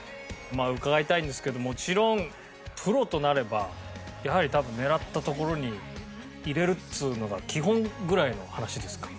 伺いたいんですけどもちろんプロとなればやはり多分狙った所に入れるっていうのが基本ぐらいの話ですか？